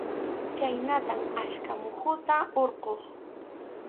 Khaynatam achka muhuta hurquq.